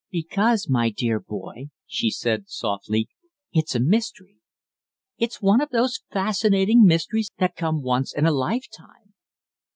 "Because, my dear boy," she said, softly, "it's a mystery! It's one of those fascinating mysteries that come once in a lifetime."